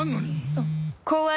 あっ。